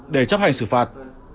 để chấp hành xử phạt